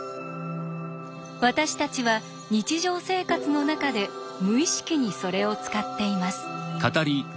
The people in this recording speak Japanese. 私たちは日常生活の中で無意識にそれを使っています。